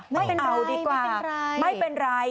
ไม่เป็นไรไม่เป็นไร